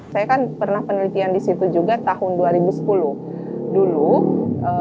saya kan pernah penelitian di situ juga tahun dua ribu sepuluh dulu